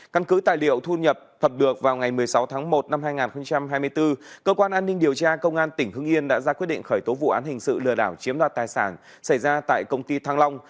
căn cứ tài liệu thu nhập thập được vào ngày một mươi sáu tháng một năm hai nghìn hai mươi bốn cơ quan an ninh điều tra công an tỉnh hưng yên đã ra quyết định khởi tố vụ án hình sự lừa đảo chiếm đoạt tài sản xảy ra tại công ty thăng long